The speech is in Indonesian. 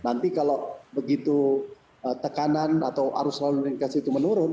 nanti kalau begitu tekanan atau arus lalu lintas itu menurun